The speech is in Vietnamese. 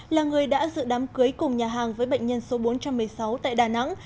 là người đã dự đám cưới cùng nhà hàng với bệnh nhân số bốn trăm một mươi sáu tại đà nẵng